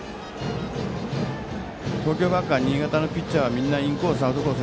東京学館新潟のピッチャーはみんなインコース、アウトコース